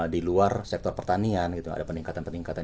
diluar sektor pertanian gitu ada peningkatan peningkatan